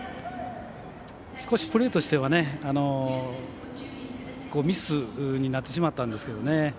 少しプレーとしてはミスになってしまったんですけど。